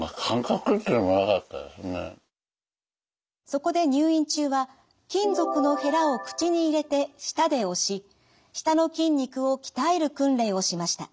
そこで入院中は金属のへらを口に入れて舌で押し舌の筋肉を鍛える訓練をしました。